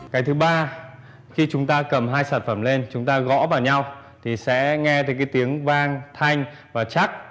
cái thứ ba khi chúng ta cầm hai sản phẩm lên chúng ta gõ vào nhau thì sẽ nghe tới cái tiếng vang thanh và chắc